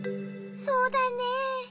そうだね。